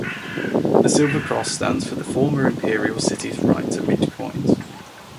The silver cross stands for the former Imperial City's right to mint coins.